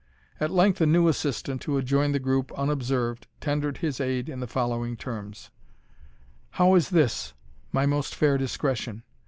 At length a new assistant, who had joined the group unobserved, tendered his aid in the following terms: "How is this, my most fair Discretion?